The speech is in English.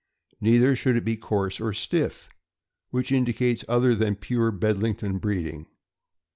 Neither should it be coarse or stiff, which indicates other than pure Bedlington breeding.